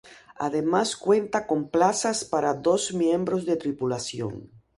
Además cuenta con plazas para dos miembros de tripulación.